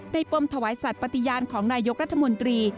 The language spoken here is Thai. ปมถวายสัตว์ปฏิญาณของนายกรัฐมนตรี